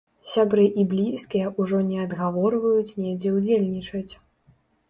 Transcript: Сябры і блізкія ўжо не адгаворваюць недзе ўдзельнічаць.